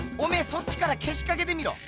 そっちからけしかけてみろ。